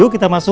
yuk kita masuk